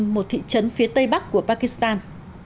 một thị trấn phía tây bắc của pakistan